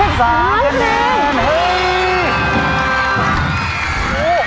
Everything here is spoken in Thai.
๑๓เทรนด์